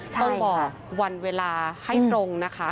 ต้องบอกวันเวลาให้ตรงนะคะ